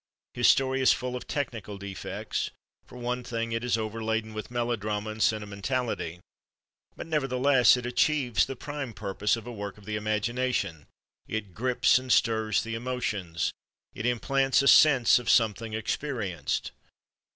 His story is full of technical defects—for one thing, it is overladen with melodrama and sentimentality. But nevertheless it achieves the prime purpose of a work of the imagination: it grips and stirs the emotions, it implants a sense of something experienced.